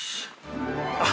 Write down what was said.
あっ。